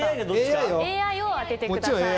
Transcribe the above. ＡＩを当ててください。